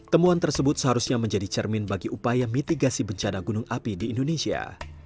temuan tersebut seharusnya menjadi cermin bagi upaya mitigasi bencana gunung api di indonesia